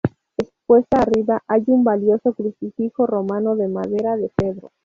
Expuesta arriba hay un valioso crucifijo romano de madera de cedro.